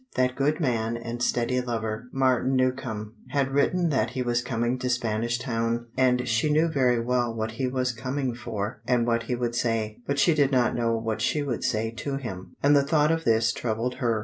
That good man and steady lover, Martin Newcombe, had written that he was coming to Spanish Town, and she knew very well what he was coming for and what he would say, but she did not know what she would say to him; and the thought of this troubled her.